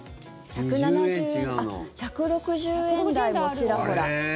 １６０円台もちらほら。